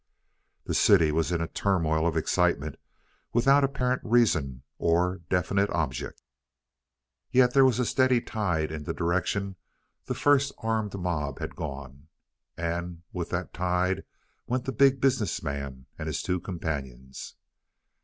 The city was in a turmoil of excitement without apparent reason, or definite object. Yet there was a steady tide in the direction the first armed mob had gone, and with that tide went the Big Business Man and his two companions.